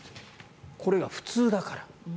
これが普通だから。